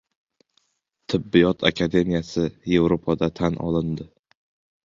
Tibbiyot akademiyasi Yevropada tan olindi